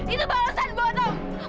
itu balasan buat om